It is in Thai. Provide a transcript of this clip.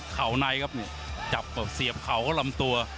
เข่าในครับนี่จับเสียบเข่าเขาลำตัว